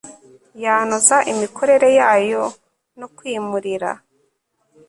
yanoza imikorere yayo no kwimurira